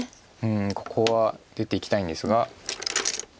ここは出ていきたいんですが。